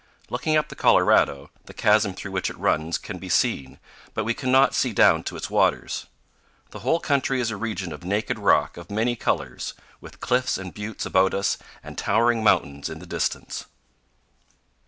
Looking up the Colorado, the chasm through which it runs can be seen, but we cannot see down to its waters. The whole country is a region of naked rock of many colors, with cliffs and buttes about us and towering mountains in the distance.